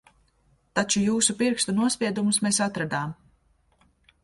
Taču jūsu pirkstu nospiedumus mēs atradām.